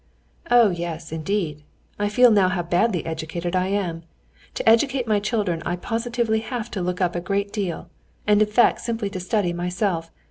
"Oh, yes, indeed! I feel now how badly educated I am. To educate my children I positively have to look up a great deal, and in fact simply to study myself.